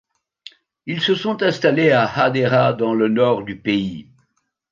Ils se sont installés à Hadera dans le Nord du pays.